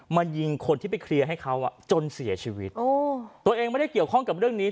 มายิงคนที่ไปเคลียร์ให้เขาอ่ะจนเสียชีวิตโอ้ตัวเองไม่ได้เกี่ยวข้องกับเรื่องนี้